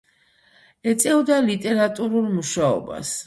ეწეოდა ლიტერატურულ მუშაობას.